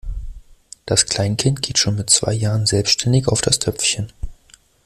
Das Kleinkind geht schon mit zwei Jahren selbstständig auf das Töpfchen.